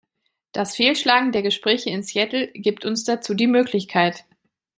Das Fehlschlagen der Gespräche in Seattle gibt uns dazu die Möglichkeit.